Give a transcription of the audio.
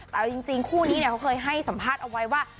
แต่เอาจริงคู่นี้เขาเคยให้สัมภาษณ์เอาไว้ว่า